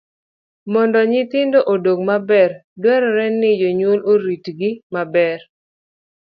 Mondo nyithindo odong maber, dwarore ni jonyuol oritgi maber.